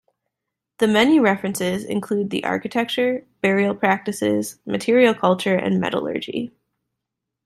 The many references include the architecture, burial practices, material culture and metallurgy.